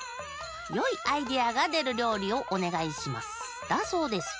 「よいアイデアがでるりょうりをおねがいします」だそうです。